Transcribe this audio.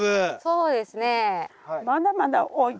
そうですね。